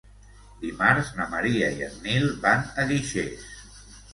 Dimarts na Maria i en Nil van a Guixers.